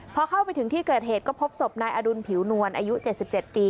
พอเข้าไปถึงที่เกิดเหตุก็พบศพนายอดุลผิวนวลอายุ๗๗ปี